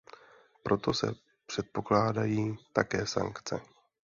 Proto se předpokládají také sankce.